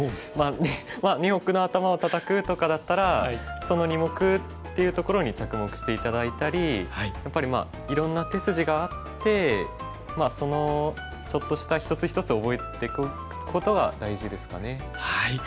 まあ二目の頭をタタくとかだったらその「二目」っていうところに着目して頂いたりやっぱりまあいろんな手筋があってそのちょっとした一つ一つを覚えていくことが大事ですかね。